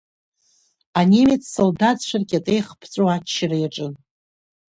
Анемец салдаҭцәа ркьатеиах ԥҵәо аччара иаҿын.